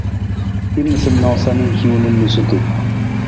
Hin noosanoosa na hiwung na noosunonosutu.